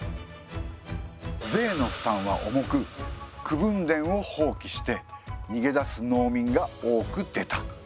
税の負担は重く口分田をほうきして逃げ出す農民が多く出た。